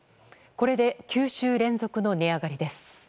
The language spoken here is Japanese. これで９週連続の値上がりです。